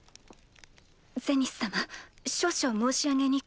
ゼニス様少々申し上げにくいのですが。